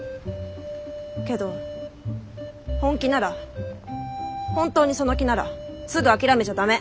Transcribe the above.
けど本気なら本当にその気ならすぐ諦めちゃ駄目。